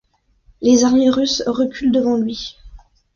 Les armées russes reculent devant lui.